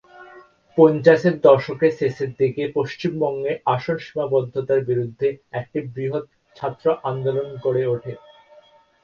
পঞ্চাশের দশকের শেষের দিকে, পশ্চিমবঙ্গে আসন সীমাবদ্ধতার বিরুদ্ধে একটি বৃহৎ ছাত্র আন্দোলন গড়ে ওঠে।